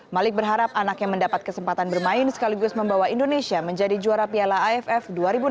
malik berharap anaknya mendapat kesempatan bermain sekaligus membawa indonesia menjadi juara piala aff dua ribu delapan belas